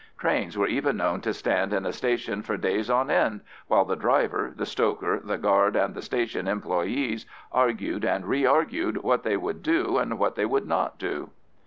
Trains were even known to stand in a station for days on end while the driver, the stoker, the guard, and the station employees argued and re argued what they would do and what they would not do.